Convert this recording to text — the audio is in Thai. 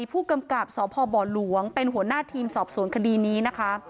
ผู้กำกับสพบหลวงเป็นหัวหน้าทีมสอบสวนคดีนี้นะคะ